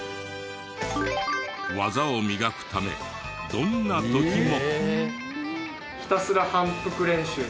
技を磨くためどんな時も。